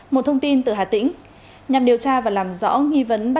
một thông tin từ hà tĩnh